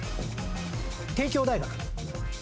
帝京大学。